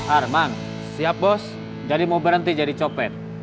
arman siap bos jadi mau berhenti jadi copet